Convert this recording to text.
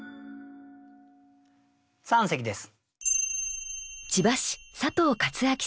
三席です。